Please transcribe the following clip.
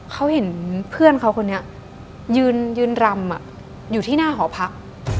เขาเห็นเพื่อนเขาคนนี้ยืนรำอยู่ที่หน้าหอพัก